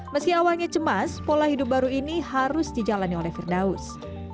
meski awalnya cemas pola hidup baru ini harus dijalani oleh firdaus